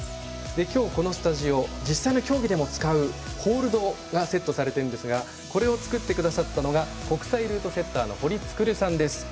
今日、このスタジオ実際の競技でも使うホールドがセットされていますがこれを作ってくださったのが国際ルートセッターの堀創さんです。